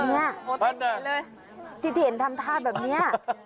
นี่ที่เธอเห็นทำท่าแบบนี้